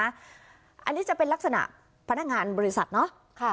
อันนี้จะเป็นลักษณะพนักงานบริษัทเนาะ